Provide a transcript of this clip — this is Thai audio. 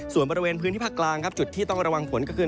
ส่วนบริเวณพื้นที่ภาคกลางครับจุดที่ต้องระวังฝนก็คือ